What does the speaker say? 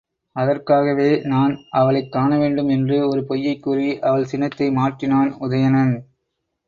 அதற்காகவே நான் அவளைக் காண வேண்டும் என்று ஒரு பொய்யைக் கூறி அவள் சினத்தை மாற்றினான் உதயணன்.